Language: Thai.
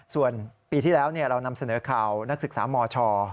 ส่วนปีที่แล้วเรานำเสนอข่าวนักศึกษามช